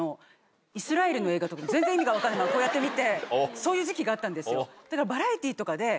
そういう時期があったんですよ。